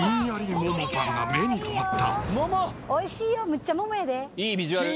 桃パンが目に留まった。